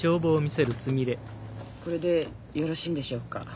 これでよろしいんでしょうか。